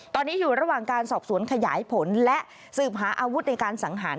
ตอนนี้อยู่ระหว่างการสอบสวนขยายผลและสืบหาอาวุธในการสังหาร